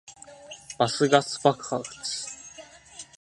バスガス爆発